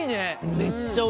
めっちゃおいしい。